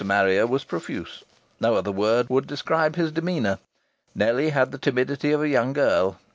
Marrier was profuse: no other word would describe his demeanour. Nellie had the timidity of a young girl.